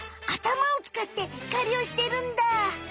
あたまをつかって狩りをしてるんだ。